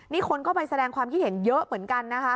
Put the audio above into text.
นี่คนก็ไปแสดงความคิดเห็นเยอะเหมือนกันนะคะ